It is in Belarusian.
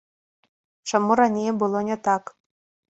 Чаму раней было не так?